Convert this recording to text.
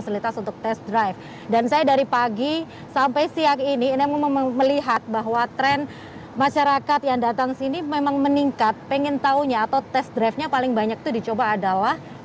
silahkan wida dengan laporan anda